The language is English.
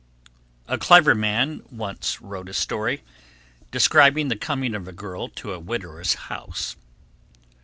A clever man once wrote a story, describing the coming of a girl to a widower's house.